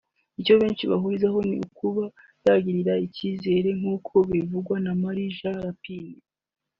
icyo benshi bahurizaho ni ukuba yigirira icyizere nk’uko bivugwa na Mary Jo Rapini